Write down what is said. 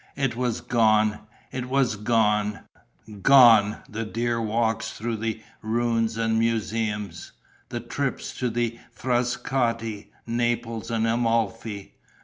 It was gone, it was gone! Gone the dear walks through ruins and museums, the trips to Frascati, Naples, Amalfi!